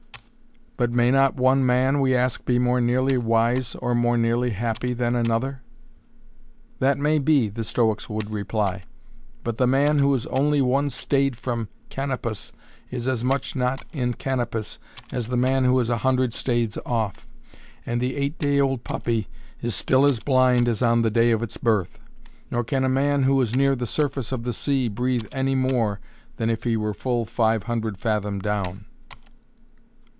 But may not one man we ask be more nearly wise or more nearly happy than another? "That may be", the Stoics would reply, "but the man who is only one stade from Canopus is as much not in Canopus as the man who is a hundred stades off; and the eight day old puppy is still as blind as on the day of its birth; nor can a man who is near the surface of the sea breathe any more than if he were full five hundred fathom down".